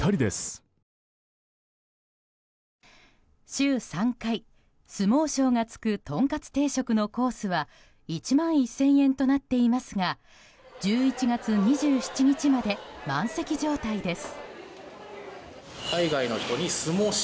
週３回、相撲ショーが付くとんかつ定食のコースは１万１０００円となっていますが１１月２７日まで満席状態です。